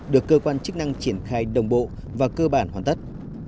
được cơ quan chức năng triển khai đồng bộ và cơ bản hoàn tất